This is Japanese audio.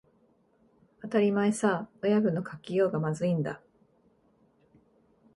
当たり前さ、親分の書きようがまずいんだ